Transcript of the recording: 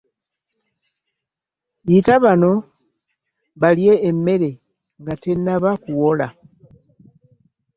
Yita bano balye emmere nga tenaba kuwola.